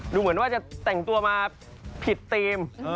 ดูเหมือนว่าจะแต่งตัวมาผิดธีม